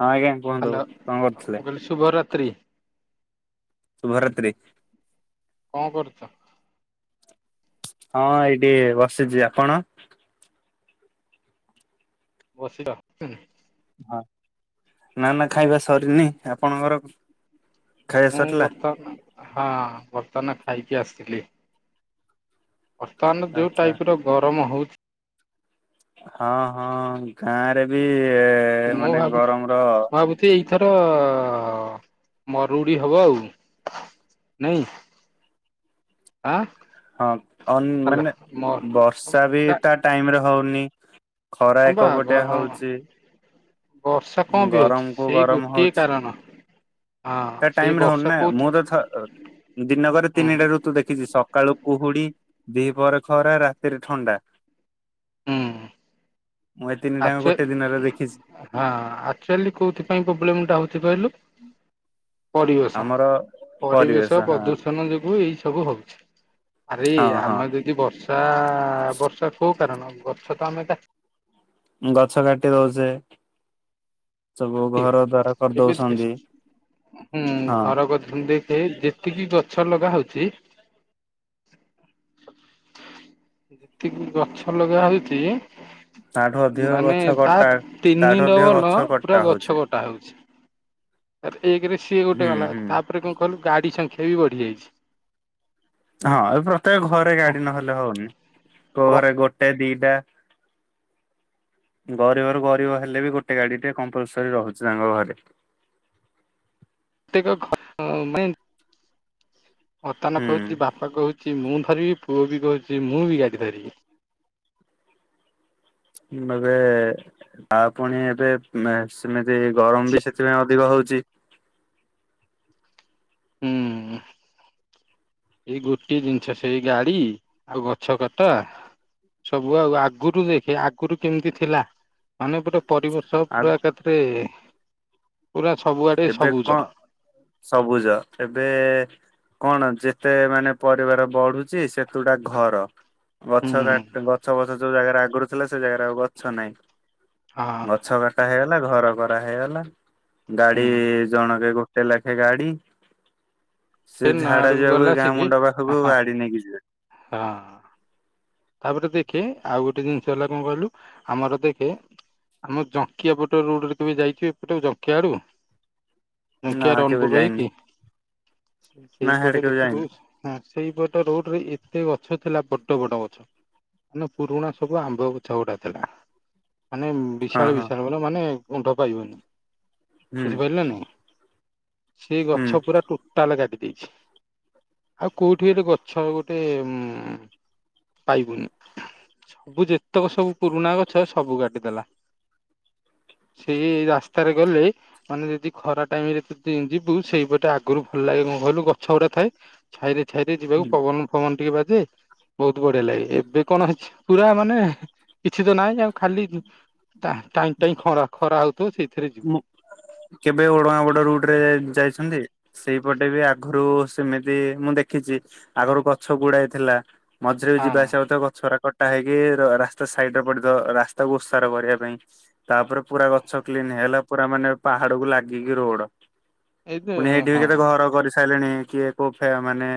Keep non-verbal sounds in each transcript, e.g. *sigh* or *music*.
ହଁ ଆଜ୍ଞା କୁହନ୍ତୁ ହାଲୋ। କଣ କରୁଥିଲେ ମୁଁ କହିଲି ଶୁଭରାତ୍ରି। ଶୁଭରାତ୍ରୀ। କଣ କରୁଛ? ହଁ ଏଇଠି ବସିଛି। ଆପଣ? ବସିଛ? ହଁ ନା ନା ଖାଇବା ସରିନି। ଆପଣଙ୍କର ଖାଇବା ମୁଁ ସରିଲା? ବର୍ତ୍ତମାନ ହଁ ବର୍ତ୍ତମାନ ଖାଇକି ଆସିଲି। ବର୍ତ୍ତମାନ ଯଉ ଆଚ୍ଛା ଟାଇପ ର ଗରମ ହଉ ହଁ ହଁ ଗାଁରେ ବି-ଇ-ଇ-ଇ ମାନେ ଗରମ ର ଏଥର-ଅ-ଅ-ଅ ମରୁଡ଼ି ହବ ଆଉ। ନିହିଁ ଆଁ ହଁ ଅ ହାଲୋ ମାନେ ମର ବର୍ଷା ବି ହଁ ତା ଟାଇମରେ ହଉନି। ଖରା ବା ଏକ ପଟିଆ ହଉଛି। ବର୍ଷା କଣ ବି ଗରମ ହଉଛି କୁ ସେଇ ଗରମ ଗୋଟିଏ ହଉଛି କାରଣ। ହଁ ତା ସେଇ ଟାଇମରେ ହଉନି ବର୍ଷା ନା କୋଉଥି ମୁଁ ତ ଛ ଅ ଦିନକରେ ହୁଁ ତିନିଟା ଋତୁ ଦେଖିଛି ସକାଳୁ କୁହୁଡ଼ି ଦିପର ଖରା ରାତିରେ ଥଣ୍ଡା। ହୁ ତିନିଟାକ ଗୋଟେ ଦିନରେ ଦେଖି ହଁ ଆଚୁଆଲି କୋଉଥିପାଇ ପ୍ରୋବ୍ଲେମ ଟା ହଉଛି କହିଲୁ ପରିବେଶ ଆମର ପରିବେଶ ପ୍ରଦୂଷଣ ଯୋଗୁ ଏଇ ସବୁ ହଉଛି। ଆରେ ହଁ ଆମେ ହଁ ଯଦି ବର୍ଷା-ଆ-ଆ-ଆ ବର୍ଷା କୋଉ କାରଣ ଗଛ ତ ଆମେ କା ଗଛ କାଟି ରହୁଛେ। ଏବେ ହୁଁ ହଁ ଘର କରିଛନ୍ତି। ସେ ଯେତିକି ଗଛ ଲଗା ହଉଛି ଯେତିକି ଗଛ ଲଗା ହଉଛି ତାଠୁ ଅଧିକ ମାନେ ଗଛ ତା କଟା ତିନି ତାଠୁ ଅଧିକ ଡବଲ ଗଛ ପୁରା କଟା ଗଛ ଛ ହଉଛି କଟା ହେଉଛି। ତ ଏକରେ ସିଏ ଗୋଟେ ହୁଁ ଗଲା ହୁଁ ତାପରେ କଣ କହିଲୁ ଗାଡି ସଂଖ୍ୟା ବି ବଢି ଯାଇଛି। ହଁ ଏ ପ୍ରତ୍ୟେକ ଘରେ ଗାଡି ନହେଲେ ହଉନି। କୋଉ ଘରେ ଗୋଟେ ଦି ଟା ଗରିବ ର ଗରିବ ହେଲେ ବି ଗୋଟେ ଗାଡି ଟେ କମ୍ପଲସରି ରହୁଛି ତାଙ୍କ ଘରେ। ଆ *inaudible* ଅତାନ ହୁଁ କହୁଛି ବାପା କହୁଛି ମୁଁ ଧରିବି ପୁଅ ବି କହୁଛି ମୁଁ ବି ଗାଡି ଧରିବି। ଏବେ-ଏ-ଏ ଆ ପୁଣି ଏବେ ମେ ସିମେ ସେ ଗରମ ବି ସେଥିପାଇଁ ଅଧିକ ହଉଛି। ହୁଁ। ଏଇ ଗୋଟିଏ ଜିନିଷ ସେଇ ଗାଡି, ଆଉ ଗଛ କଟା। ସବୁ ଆଉ ଆଗରୁ ଦେଖେ ଆଗରୁ କେମିତି ଥିଲା ମାନେ ପୁରା ପରିବର୍ଷ ଆଉ ପୁରା ଏକାଥରେ ପୁରା ସବୁଆଡେ ଏବେ ସବୁଜ କଣ ସବୁଜ ଏବେ-ଏ-ଏ କଣ ଯେତେ ମାନେ ପରିବାର ବଢୁଛି ସେତୁଟା ଘର। ଗଛ ହୁଁ କାଟ ଗଛ ବଛ ଯୋଉ ଜାଗାରେ ଆଗରୁ ଥିଲା ସେ ଜାଗାରେ ଆଉ ଗଛ ନାହିଁ। ହଁ ଗଛ କଟା ହେଇଗ ହେଲା ଘର କରା ହେଇଗଲା। ହୁଁ ଗାଡି ଜଣକେ ଗୋଟେ ଲେଖେ ଗାଡି। ସେ ଝାଡା ନୟାଗଡକୁ ଯିବାକୁ ଗଲା ଏ ଗାଁ ଆସିକି ମୁଣ୍ଡ ହଁ ପାଖକୁ ହଁ ଗାଡି ନେଇକି ଯିବେ। ହଁ। ତାପରେ ଦେଖେ ଆଉ ଗୋଟେ ଜିନିଷ ହେଲା କଣ କହିଲୁ ଆମର ଦେଖେ ଆମ ଜଙ୍କିଆ ପଟେ ରୋଡରେ କେବେ ଯାଇଛ ଏପଟେ ଜଙ୍କିଆ ଆଡୁ? ନା ମୁଖିଆ କେବେ ରଣପୁର ଯାଇନି ହେଇକି ନା ହିଆଡେ ସେଇପଟେ କେବେ ଯାଇନି ଦେଖିବୁ ଆ ସେଇପଟ ରୋଡ ରେ ଏତେ ଗଛ ଥିଲା ବଡ ବଡ ଗଛ। ମନେ ପୁରୁଣା ସବୁ ଆମ୍ବ ଗଛଗୁଡା ଥିଲା। ମାନେ ହଁ ବିଶାଳ ହଁ ବିଶାଳ ବଡ ମାନେ ଉଣ୍ଡ ପାଇବନି ହୁଁ ବୁଝିପାରିଲୁ ନା ନାଇଁ। ସେ ହୁଁ ଗଛ ପୁରା ଟୋଟାଲ କାଟି ଦେଇଛି ଆଉ କୋଉଠି ବି ଏଠି ଗଛ ଗୋଟେ ଉଁ। ପାଇବୁନୁ ସବୁ ଯେତେକ ସବୁ ପୁରୁଣା ଗଛ ସବୁ କାଟିଦେଲା। ସେଇ ରାସ୍ତାରେ ଗଲେ ମାନେ ଯଦି ଖରା ଟାଇମ ରେ ତୁ। ଦି ଯିବୁ ସେଇପଟେ ଆଗରୁ ଭଲ ଲାଗେ କଣ କହିଲୁ ଗଛ ଗୁରା ଥାଏ ଛାଇରେ। ଛାଇରେ ଯିବାକୁ ହୁଁ। ପବନ ଫବନ ଟିକେ ବାଜେ ବହୁତ ‌। ବହୁତ ବଢଆ ଲାଗେ ଏବେ କଣ ହେଇଛି ପୁରା ମାନେ କିଛି ତ ନାହିଁ ଆଉ ଖାଲି। ଟା ଟାଇଁ ଟାଇଁ ଖର ଖରା ହଉ ମୁଁ କେବେ ଓଡଗାଁ ପଟ ରୁଟ ରେ ଯାଇଛନ୍ତି? ସେଇପଟେ ବି ଆଗରୁ ସେମିତି ମୁଁ ଦେଖିଛି ଆଗରୁ ଗଛ ଗୁଡାଏ ଥିଲା। ମଝିରେ ବି ହଁ ଯିବା ଆସିବା ହଉଥିବ ଗଛରାକ। କଟା ହେଇକି ରାସ୍ତା ସାଇଟ ରେ ପଡିଥିବ ରାସ୍ତାକୁ ଉସାର କରିବା ପାଇଁ ତାପରେ ପୁରା ଗଛ। ହେଲା ପୁରା ମାନେ ପାହାଡକୁ ଲାଗିକି ରୋଡ ଏଇ ତ ପୁଣି ହେଇଠି ବି ହଁ କେତେ ଘର କରି ସାଇଲେଣି କିଏ କୋ ଫେ ମାନେ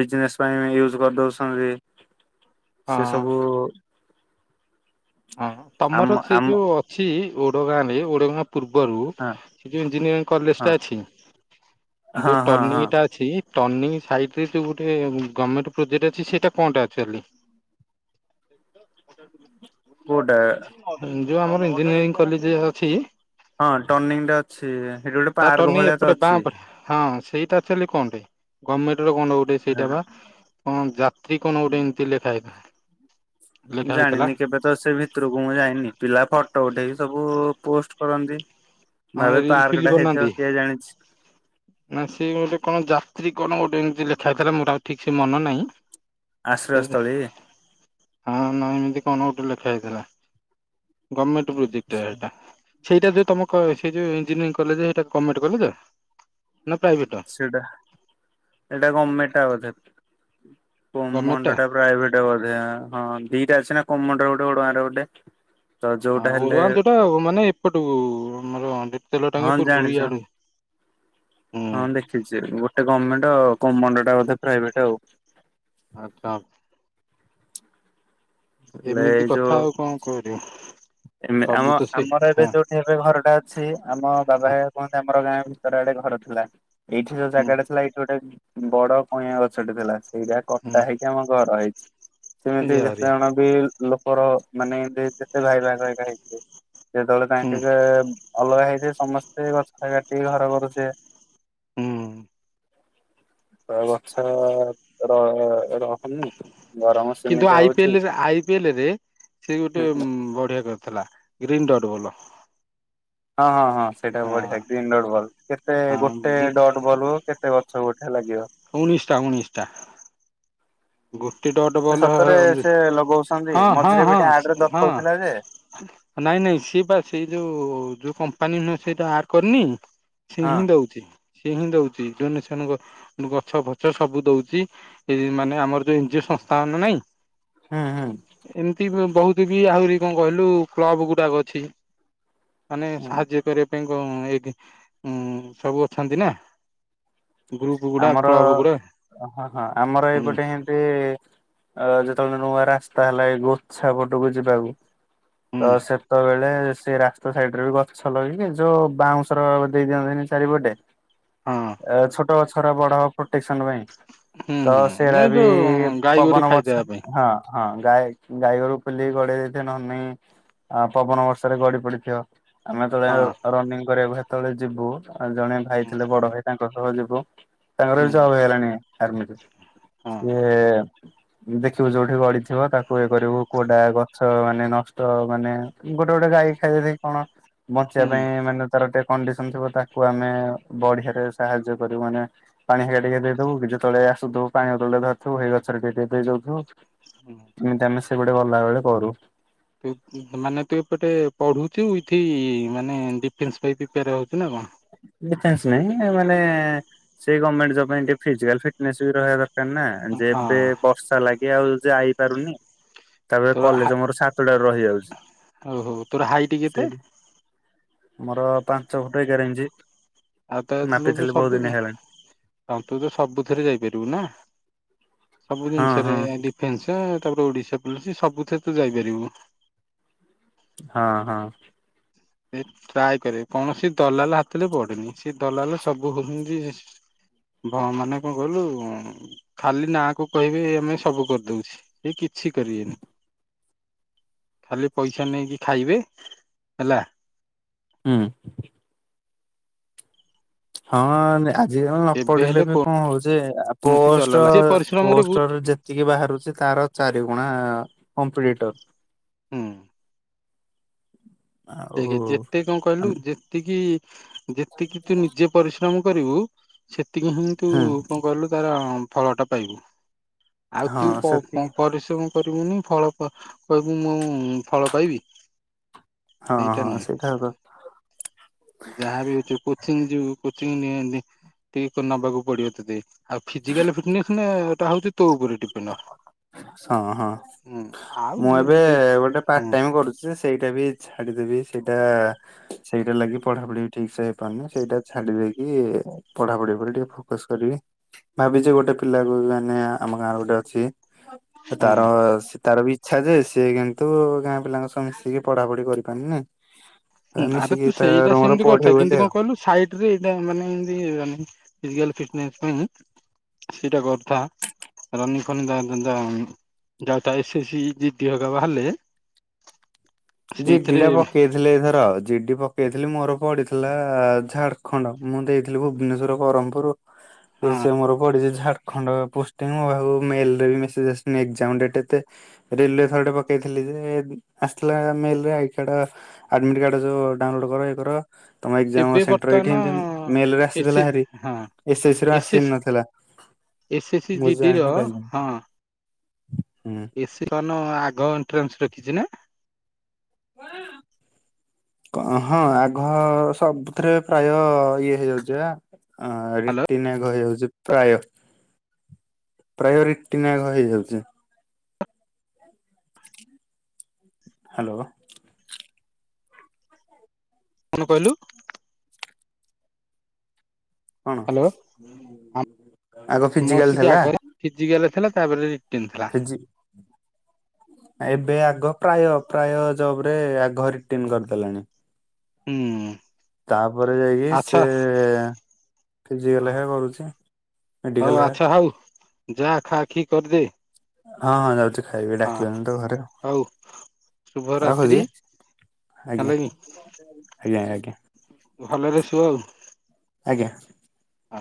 ବିଜନେସ ପାଇଁ ୟୁଜ କରିଦଉଛନ୍ତି। ସେ ହଁ ସବୁ। ହଁ ଆମ ତମର ସେ ଆମ ଯୋଉ ଅଛି ଓଡଗାଁ ରେ ଓଡଗାଁ। ପୂର୍ବରୁ ହଁ ସେ ଯୋଉ ଇଞ୍ଜିନିୟରିଂ କଲେଜ ହଁ ଟା ଅଛି ହଁ ଯୋଉ ହଁ ଟର୍ନିଂ ହଁ ଟା ଅଛି। ଟରନିଙ୍ଗ ସାଇଟରେ ଯୋଉ ଗୋଟେ ଗମେଣ୍ଟ ପ୍ରୋଜେକ୍ଟ ଅଛି ସେଇଟା କଣ ଟା ଆକଚୁଆଲି। କୋଉଟା ଯୋଉ ଆମର ଇଞ୍ଜିନିୟରିଂ କଲେଜ ଅଛି। ହଁ ଟର୍ନିଂ ଟା ଅଛି। ସେଠି ଗୋଟେ ତା ପାର୍କ ଟର୍ଣିଂ ଭଳିଆ ତ ଏପଟେ ବାଁ ଅଛି। ପେ ହଁ ସେଇଟା ଆକଚାଲି କଁ ପାଇଁ ଗମେଣ୍ଟ। ସେଠି କଣ ଗୋଟେ ସେଇଟା ବା କଣ ଯାତ୍ରୀ କଣ ଗୋଟେ ଏମିତି ଲେଖା ହେଇଥାଏ। ଜାଣିନି କେବେ ତ ସେ ଭିତରକୁ ମୁଁ ଯାଇନି ପିଲା ଫଟୋ ଉଠେଇକି‌। ସବୁ ପୋଷ୍ଟ କରନ୍ତି ହଁ ଭାବେ ରିଲ ପାର୍କ ଫିଲ୍ ଟା ହେଇଥିବ ବନାନ୍ତି କିଏ ଜାଣିଛି। ନା ସେ ଗୋଟେ କଣ ଯାତ୍ରୀ କଣ ଗୋଟେ ଏମିତି ଲେଖା ହେଇଥିଲା ମୋର ଆଉ ଠିକ ସେ ମନ ନାହିଁ। ସେ ତେ ଆଶ୍ରୟସ୍ଥଳୀ। ହଁ ନା ଏମିତି। କଣ ଗୋଟେ ଲେଖା ହେଇଥିଲା ଗମେଣ୍ଟ ପ୍ରୋଜେକ୍ଟ ଟା ସେଇଟା। ସେଇଟା ଯୋଉ ତମ କ ସେଇ ଜୋଉ ଇ୍ଜିନିୟରିଂ କଲେଜ ସେଇଟା ଗମେଣ୍ଟ କଲେଜ। ନା ପ୍ରାଇଭେଟ ସେଟା ଏଇଟା ଗମେଣ୍ଟ ଟା ବୋଧେ। କୋମଣ୍ଡ ଟା ପ୍ରାଇଭେଟ ବୋଧେ ହଁ ଦିଟା ଅଛି ନା କୋରେ ଗୋଟେ ଓଡଗାଁ ରେ ଗୋଟେ। ତ ଯୋଉଟା ହଁ ହେଲେ ଓଡଗାଁ ରେ ଯାଉଟା ମାନେ ଏପଟକୁ ଆମର। ତେଲ ହଁ ଟାଙ୍ଗି ପୂର୍ବରୁ ଜାଣିଛ ଇଆଡୁ ହୁଁ ହଁ ଦେଖିଛି ଗୋଟେ ଗମେଣ୍ଟ। କୋମଣ୍ଡ ଟା ବୋଧେ ପ୍ରାଇଭେଟ ଆଉ। ଆଛା। ହେଲେ ଏମିତି କଥା ଆଉ କଣ କରିବ। ଏମେ ସବୁ ଆମ ତ ସେଇ ଆମର ଏବେ ହଁ ଯୋଉଠି ଏବେ ଘରଟା ଅଛି ଆମ ବାବା ଘରିକା କୁହନ୍ତି ଆମର। ଗାଁ ଭିତର ଆଡେ ଘର ଥିଲା ଏଇଠି ଯୋଉ ହୁଁ ଜାଗାଟା ଥିଲା ଏଇଠି ଗୋଟେ ବଡ କଇଁଆ ଗଛଟେ ଥିଲା। ସେଇଟା କଟା ହୁଁ ହେଇକି ଆମ ଘର ହେଇଛି ସେମିତି ଯେତେ ୟାରିଆ ଜଣ ବି ଲୋ କ ର ମାନେ ଯେତେ ଭାଇ ଭାଗ ଏକା ହେଇ ଥିବେ ଯେତେବେଳେ ହୁଁ ତାଙ୍କ ଯେ। ଅଲଗା ହେଇଥିବେ ସମସ୍ତେ ଗଛ ଟା କାଟିକି ଘର କରୁଥିବେ। ହୁଁ। ପ୍ରାୟ ଗଛ ର ରହୁନି। ଗରମ କିନ୍ତୁ ସେମିତି ଆଇ ହଉଛି। ପିଏଲ ଆଇ ପିଏଲରେ ସେ ଗୋଟେ ହୁଁ ହୁଁ ବଢିଆ କ ରିଥିଲା ଗ୍ରୀନଡ ରୋଲ। ହଁ ହଁ ହଁ ସେଇଟା ବଢିଆ ଗ୍ରୀନ ଡଟ ବଲ କେତେ ହଁ ଗୋଟେ ଡଟ ବଲ୍ କୁ କେତେ ଗଛ ଗୋଟେ। ଲାଗିବ। ଉଣୀଶଟା ଉଣୀଶଟା। ଗୁଟେ ଡଟ ସେ ବଲ ସତରେ ଉ ସେ ଲଗଉଛନ୍ତି ହଁ ହଁ ମଝିରେ ବି ଟିକେ ଆଡରେ ହଁ ହଁ। ଦଖଉଥିଲା ଯେ ନାଇଁ ନାଇଁ ସିଏ ପା ସେଇ ଯୋଉଁ। ପାନି ନହଁ ସେଇଟା ଆର କରିନି ସେଏ ହଁ। ହିଁ ଦଉଛି। ସିଏ ହିଁ ଦଉଛି ଡୋନେସନ ସେ ଗଛଫଛ ସବୁ ଦଉଛି ଏ ମାନେ ଆମର ଏନ୍ ଜି ଓ ସଂସ୍ଥା ନାଇଁ ହୁଁ ହୁଁ। ଏମତି ବହୁତ ବି ଆହୁରି କଣ କହିଲୁ କ୍ଲବଗୁଡାକ ଅଛି। ମାନେ ହୁଁ ସାହାଯ୍ୟ କରିବା ପାଇଁ। ଏ ସବୁ ଅଛନ୍ତି ନା। ଗ୍ରୁପ ଗୁଡା ଆମର କ୍ଲବ ଗୁଡା ହଁ ହଁ ଆମର ହୁଁ ଏଇପଟେ ଏମତି ଅ ଯେତେବେଳେ ନୂଆ ରାସ୍ତା ହେଲା ଏଇ ଗୋଛା ପଟକୁ ଯିବାକୁ ହୁଁ ତ ସେତେବେଳେ ସେ ରାସ୍ତା ସାଇଡରେ ବି ଗଛ ଲଗଇକି ଯୋଉ ବାଉଁଶର ଦେଇ ଦିଅନ୍ତିନି ଚାରିପଟେ। ହଁ ଛୋଟ ଗଛଓରା ବଡ ହ ପ୍ରଟେ ପାଇଁ ହୁଁ ତ ହୁଁ ସେଟା ଏ ବି ଯୋଉ ଗାଈ ଗୋରୁ ପବନ ବର୍ଷ ଖାଇଦବା ପାଇଁ ହଁ ହଁ। ଗାଈ ଗାଈଗୋରୁ ପୁଲିକି ଗଡେଇ ଦେଇଥିବ ନହେଲେ ନାଇଁ ଆ ପବନ ବର୍ଷାରେ ଗଡି ପଡିଥିବ। ଆମେ ହେବେଳେ ହଁ ରନିଂ କରିବାକୁ ସେତେବେଳେ ଯିବୁ ଜଣେ ଭାଇ ହୁଁ ଥିଲେ ବଡ ଭାଇ ତାଙ୍କ ସହ ଯିବୁ। ତାଙ୍କର ବି ହୁଁ ଜବ ହେଇଗଲାଣି ଆର୍ମିରେ ହଁ ସିଏ ଦେଖିବୁ ଯୋଉଠି ଗଡିଥିବ ତାକୁ ଇଏ କରିବୁ କୋଡା ଗଛ ମାନେ ନଷ୍ଟ ମାନେ ଗୋଟେ ଗୋଟେ ଗାଈ ଖାଇଦିଏ କଣ। ବଞ୍ଚିବା ହୁଁ ପାଇଁ ମାନେ ତାର ଟିକେ କଣ୍ଡିସନ ଥିବ ତାକୁ ଆମେ ବଢିଆରେ ସାହାଯ୍ୟ କରି ଯ ମାନେ ପାଣି ହେରିକା ଦେଇଦବୁ କି ଯେତେଳେ ଆସୁଥୁବୁ ପାଣିବୋତଲ ଟେ ଧରିଥିବୁ ସେଇ ଗଛରେ ଟିକେ ଟିକେ ଦେଇଦଉଥିବୁ। ହୁଁ ଏମିତି ଆମେ ସେଭଟେ ଗଲାବେେଳେ କରୁ। ତୁ ମାନେ ତୁ ଏପଟେ ପଢୁଛୁ ଏଇଠି ମାନେ ଡିଫେନ୍ସ ପାଇଁ ପ୍ରିପାର ହଉଚୁ ନା କଣ? ଡେଫେନ୍ସ ନାଇ ମାନେ ସେଇ ଗର୍ଣମେଣ୍ଟ ଜବ ପାଇଁ ଟିକେ ଫିଜିକାଲ ଫଟନସ୍ ବି ରହିବା ଦରକାର। ନା ଯେ ହଁ ଏବେ ବର୍ଷା ଲାଗେ ଆଉ ଯାଇପାରୁନି। ତାପରେ ତୋର ହା କଲେଜ ମୋର ସାତଟାରୁ ରହି ଯାଉଛି ହଉ ହଉ ତୋର ହାଇଟ କେତେ? ସେ। ଆମର ପାଞ୍ଚଫୁଟ ଏଗାର ଇଞ୍ଚ୍। ଆଉ ତ ତ ତ ସବୁ ତୁ ତ ସବୁଥିଥରେ ଯାଇପାରିବୁ ନା। ସବୁ ହଁ ଜିନିଷରେ ହଁ। ଡିଫେନ୍ସ ତାପରେ ଓଡିଶା ପୋଲିସ ସବୁଥିରେ ତୁ ଯାଇପାରିବୁ। ହଁ ହଁ। ସେ ଟ୍ରାଏ କରେ କୌଣସି ଦଲାଲ ହାତରେ ପଡେନି ସେ ଦଲାଲ ସବୁ ହଉଛନ୍ତି। ଭ ମାନେ କଣ କହିଲୁ ଖାଲି ନାକୁ କହିବେ ଆମେ ସବୁ କରିଦଉଛି। କି କିଛି କରିବେନି ଖାଲି ପଇସା ନେଇକି ଖାଇବେ। ହେଲା। ହୁଁ। ହଁ। ଯିଏ ନ କେବେ ପଢିଲେ ହେଲେ କୋ ବି କଣ ହଉଛି କୌଣସି ପୋଷ୍ଟ ଦଲାଲ ଯିଏ ପରିଶ୍ରମ କରିବୁ ପୋଷ୍ଟରରେ ଯେତିକି ବାହାରୁ ତାର ଚାରିଗୁଣା କମ୍ପିଟିଟର। ହୁଁ। ଆଉ ଦେଖେ ଯେତକ କଣ କହିଲୁ ଯେତିକି ଯେତିକି ତୁ ନିଜେ ପରିଶ୍ରମ କରିବୁ ସେତିକି ହିଁ ତୁ ହୁଁ କଣ କଲୁ ତାର ଫଳଟା ପାଇବୁ। ଆଉ ତୁ ହଁ ସେତିକି ପରିଶ୍ରମ କରୁ *unintelligible* ଫଳ କହିବୁ ମୁଁ ଫଳ ପାଇବି। ହଁ ହଁ ସେଇଟା ସତ। ଯାହାବ ହଉଛି କୋଚିଂ ଯିବି କୋଚିଂ ନେ ଟିକେ ନବାକୁ ପଡିବ ତତେ ଆଉ ଫିଜିକାଲ ଫିଟନେସଟା ନା ହଉଛି ତୋ ଉପରେ ଡିପେନଣ୍ଡ। ହଁ ହଁ ମୁଁ ଆଉ ଏବେ ଗୋଟେ ପାର୍ଟ ହଁ ଟାଇମ କରୁଛି ସେଇଟା ବି ଛାଡିଦେବି ସେଇଟା ସେଇଟା ଲାଗି ପଢାପଢି ବି ଠିକ ସେ ହେଇପାରୁନି ସେଇଟା ଛାଡିଦବି। ପଢାପଢି ଉପରେ ଟିକେ ଫୋକସ କରିବି। ଭାବିଚି ଗୋଟେ ପିଲାକୁ ମାନେ ଆମ ଗାଁ ର ଗୋଟେ ଅଛି ହଁ ତାର ସେ ତାର ବି ଆଛା ଯେ ସିଏ କିନ୍ତୁ ଗାଁ ପିଲାଙ୍କ ସହ ମିଶିକି ପଢାପଢି କରିପାରୁନି। ଆରେ ମିଶିକି ତୁ ତାର ସେଇଟା ମୋର ସେମିତି କରିଥା ପଢିବୁ ବୋଲି କିନ୍ତୁ ଆଉ। କଣ କହିଲୁ ସାଇଟ୍ ରେ ଏଇଟା ମାନେ ଏମିତି ଫିଜିକାଲ ଫିଟ୍ ଉଁ ହୁଁ ସେଇଟା କରୁଥାଆ। *unintelligible* ଜିଡି ଟା ପକେଇଥିଲେ ଏଥର। ଜିଡି ପକେଇଥିଲି ମୋର ପଡିଥିଲା ଝାଡଖଣ୍ଡ ମୁଁ ଦେଇଥିଲି ଭୁବନେଶ୍ୱର ବ୍ରହ୍ମପୁର ଏ ହଁ ସେ ମୋର ପଡିଚି ଝାଡଖଣ୍ଡ। ଖଣ୍ଡ ପୋଷ୍ଟି ନୁହେଁ ମୋ ପାଖକୁ ମେଲ୍ ରେ ବି ମେସେଜ ଆସିିନି ଏକ୍ଜାମ ଡେଟ୍ ଏତେ ରେଲୱେ ଥରଟେ ପକେଇଥିଲି। ଆସିଥିଲା ମେଲରେ ଆଇକାର୍ଡ ଆଡମିଟକାର୍ଡ ଯୋଉ ଡାଉନଲୋଡ କର ଇଏ କର। ତମ ଏକ୍ଜାମ ଏବେ ସେଣ୍ଟର ଏଇଠି ବର୍ତ୍ତମାନ ଏମିତି ମେଲରେ ଏସି ଆସିଥିଲା ହାରି। ହଁ ଏସ୍ଏସସି ର ଆସି ନଥିଲା। ଏସ୍ଏସସି ମୁଁ ଜିଡିର ଜାଣି ପାରିଲିନି ହଁ ହୁଁ। ଏସି କନ ଆଗ ଏଣ୍ଟ୍ରାନ୍ସ ରଖିଚି ନା? ହଁ ଆଗଃ ସବୁଥିରେ ପ୍ରାୟ ଇଏ ହେଇଯାଉଚି ବା ଅ ହ୍ୟାଲୋ ରିଟିନ ଆଗ ହେଇଯାଉଚି। ପ୍ରାୟ ପ୍ରାୟ ରିଟିନ ଆଗ ହେଇଯାଉଚି। ହାଲୋ। କଣ କହିଲୁ? କଣ ହାଲୋ ଆଗ ଆମ ଫିଜିକାଲ *inaudible* ଥିଲା ଆଗରେ ଫିଜିକାଲ ଥିଲା ତାପରେ ରିଟିନ ଥିଲା। ଫିଜି ଏବେ ଆଗ ପ୍ରାୟ ପ୍ରାୟ ଜବ୍ ରେ ଆଗ ରିଟିନ କରିଦେଲାଣି। ହୁଁ। ତାପରେ ଯାଇକି ସେ ଆଚ୍ଛା ଫିଜିକାଲ ହେ କରୁଚି ମେଡିକାଲ ହେ ଯାଆ ଖା ଖି କରିଦେ। ହଁ ହଁ ଯାଉଚି ଖାଇବି ହଁ ଡାକିଲେଣିତ ଘରେ ହଉ ଶୁଭ ରାତ୍ରି ରଖୁଚି। ଆଜ୍ଞା, ହେଲାକି ଆଜ୍ଞା, ଆଜ୍ଞା। ଭଲରେ ଶୁଅ ଆଉ। ଆଜ୍ଞା। ଆ